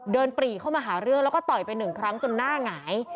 ปรีเข้ามาหาเรื่องแล้วก็ต่อยไปหนึ่งครั้งจนหน้าหงาย